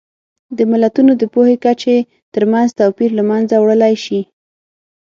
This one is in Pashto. د ملتونو د پوهې کچې ترمنځ توپیر له منځه وړلی شي.